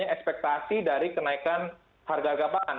ekspektasi dari kenaikan harga harga pangan